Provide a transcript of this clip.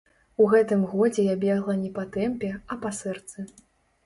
У гэтым годзе я бегла не па тэмпе, а па сэрцы.